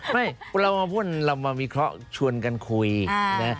ไม่เรามาพูดเรามาวิเคราะห์ชวนกันคุยนะ